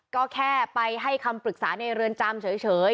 ก็แค่ไปให้คำปรึกษาในเรือนจำเฉย